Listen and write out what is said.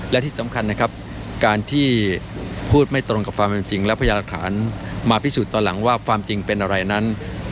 และที่สำคัญนะครับการที่พูดไม่ตรงกับความเป็นจริงและพยาหลักฐานมาพิสูจน์ตอนหลังว่าความจริงเป็นอะไรนั้น